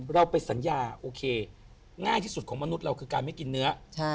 เราไปสัญญาโอเคง่ายที่สุดของมนุษย์เราคือการไม่กินเนื้อ